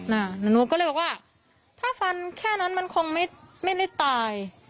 หนูก็เลยบอกว่าถ้าฟันแค่นั้นมันคงไม่ไม่ได้ตาย